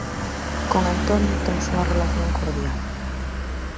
Con Antonio temos unha relación cordial.